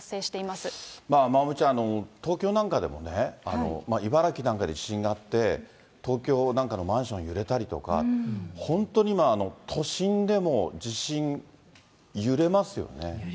まおみちゃん、東京なんかでもね、茨城なんかで地震があって、東京なんかのマンション揺れたりとか、本当に今、都心でも地震、揺れますね。